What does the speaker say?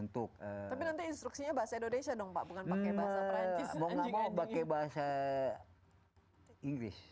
tapi nanti instruksinya bahasa indonesia dong pak bukan bahasa perancis